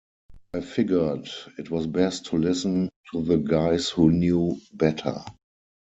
I figured it was best to listen to the guys who knew better.